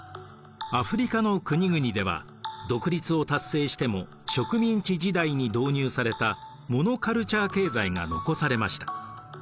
アフリカの国々では独立を達成しても植民地時代に導入されたモノカルチャー経済が残されました。